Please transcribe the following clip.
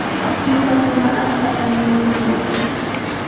Ñuqakuna achkatami muruyaa.